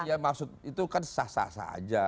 ya maksud itu kan sah sah saja